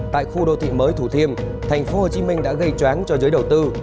tại khu đô thị mới thủ thiêm thành phố hồ chí minh đã gây choáng cho giới đầu tư